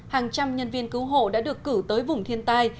hàng trăm nhân viên cứu hộ đã được cử tới vùng thiên tai